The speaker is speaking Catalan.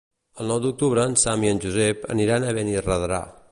El nou d'octubre en Sam i en Josep aniran a Benirredrà.